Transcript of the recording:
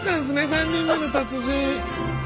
３人目の達人。